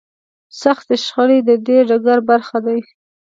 سختې شخړې د دې ډګر برخه دي.